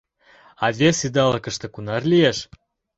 А вес идалыкыште кунар лиеш!